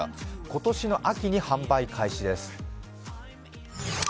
今年の秋に販売開始です。